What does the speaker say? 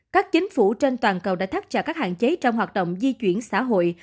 các chính phủ trên toàn cầu đã thác trả các hạn chế trong hoạt động di chuyển xã hội